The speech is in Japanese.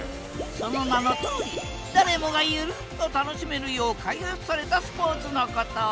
その名のとおり誰もがゆるっと楽しめるよう開発されたスポーツのこと。